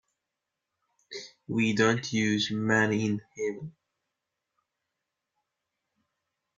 We don't use money in heaven.